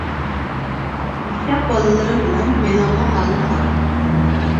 ئۇششاق بالىلىرىم بىلەن مېنىڭمۇ ھالىم خاراب.